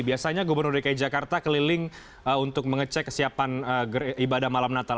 biasanya gubernur dki jakarta keliling untuk mengecek kesiapan ibadah malam natal